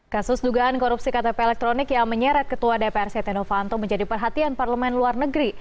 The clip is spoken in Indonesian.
kasus dugaan korupsi ktp elektronik yang menyeret ketua dpr setia novanto menjadi perhatian parlemen luar negeri